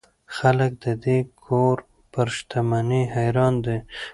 خلک د دې کور پر شتمنۍ حیران دي.